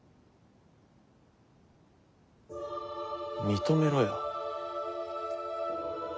認めろよ。